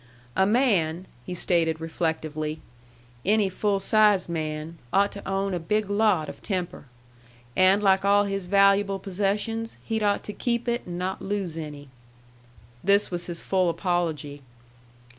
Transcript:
A man," he stated reflectively, "any full sized man, ought to own a big lot of temper. And like all his valuable possessions, he'd ought to keep it and not lose any." This was his full apology.